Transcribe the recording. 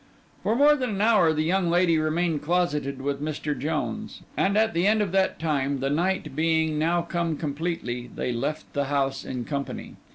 For more than an hour the young lady remained closeted with Mr. Jones; and at the end of that time, the night being now come completely, they left the house in company.